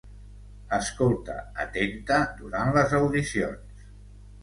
Escolta atenta durant les audicions.